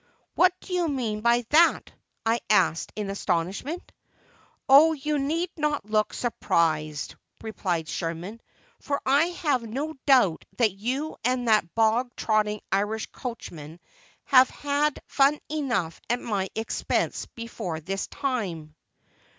"What do you mean by that?" I asked, in astonishment. "Oh, you need not look surprised," replied Sherman; "for I have no doubt that you and that bog trotting Irish coachman have had fun enough at my expense before this time."